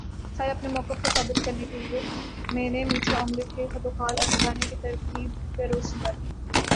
خیر اپنے موقف کو ثابت کرنے کے لئے میں نے میٹھے آملیٹ کے خدوخال اور پکانے کی ترکیب پر روشنی ڈالی